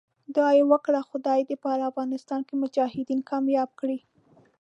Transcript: دعا یې وکړه خدای دې په افغانستان کې مجاهدین کامیاب کړي.